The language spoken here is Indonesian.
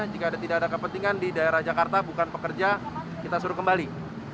jika tidak ada kepentingan di daerah jakarta bukan pekerja kita suruh kembali